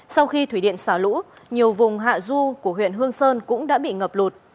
sau khi thủy điện xả lũ nhiều vùng hạ du của huyện hương sơn cũng đã bị ngập lụt